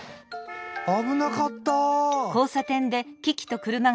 あぶなかった！